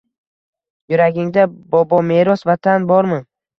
Yuragingda bobomeros Vatan bormi